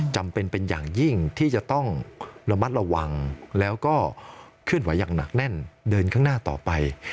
จำเป็นเป็นอย่างยิ่งที่จะต้องระมัดระวังแล้วก็เคลื่อนไหวอย่างหนักแน่นเดินข้างหน้าต่อไป